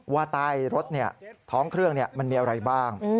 ว่าใต้รถท้องเครื่องมันมีอะไรบ้าง